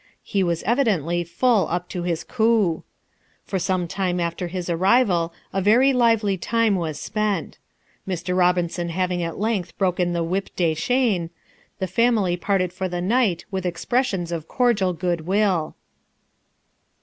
He was evidently full up to his cou. For some time after his arrival a very lively time was spent. Mr. Robinson having at length broken the whippe de chien, the family parted for the night with expressions of cordial goodwill.